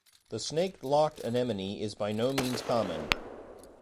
The snake-locked anemone is by no means common.